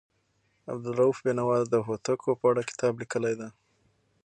عبدالروف بېنوا د هوتکو په اړه کتاب لیکلی دی.